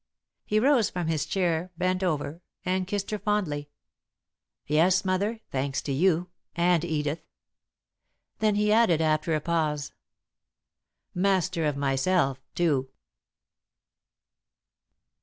He rose from his chair, bent over, and kissed her fondly. "Yes, Mother, thanks to you and Edith." Then he added, after a pause: "Master of myself, too."